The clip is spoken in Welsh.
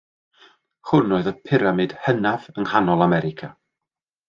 Hwn oedd y pyramid hynaf yng Nghanol America.